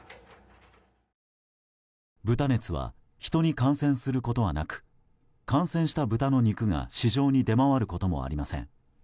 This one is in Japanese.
豚熱はヒトに感染することはなく感染した豚の肉が市場に出回ることもありません。